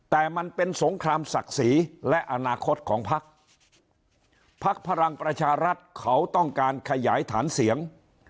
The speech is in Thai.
แต่มันเป็นสงครามศักดิ์ศรีและอนาคตของพักพักพลังประชารัฐเขาต้องการขยายฐานเสียง